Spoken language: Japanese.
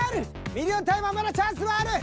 ミリオンタイマーはまだチャンスはある！